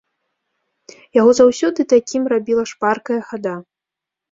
Яго заўсёды такім рабіла шпаркая хада.